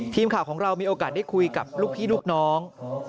ทีมข่าวของเรามีโอกาสได้คุยกับลูกพี่ลูกน้อง